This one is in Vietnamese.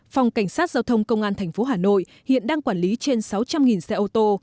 phòng cảnh sát giao thông công an tp hà nội hiện đang quản lý trên sáu trăm linh xe ô tô